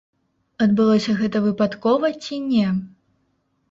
Адбылося гэта выпадкова ці не?